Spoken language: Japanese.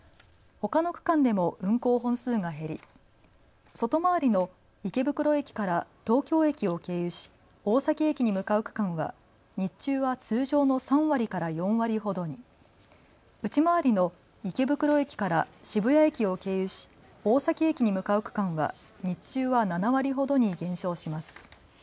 ほかの区間でも運行本数が減り外回りの池袋駅から東京駅を経由し大崎駅に向かう区間は日中は通常の３割から４割ほどに、内回りの池袋駅から渋谷駅を経由し大崎駅に向かう区間は日中は７割ほどに減少します。